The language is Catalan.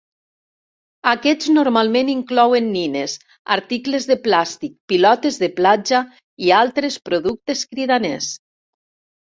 Aquests normalment inclouen nines, articles de plàstic, pilotes de platja i altres productes cridaners.